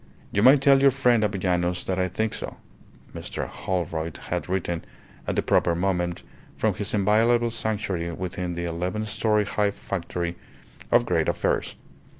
"You may tell your friend Avellanos that I think so," Mr. Holroyd had written at the proper moment from his inviolable sanctuary within the eleven storey high factory of great affairs.